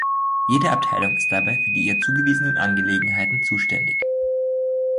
Jede Abteilung ist dabei für die ihr zugewiesenen Angelegenheiten zuständig.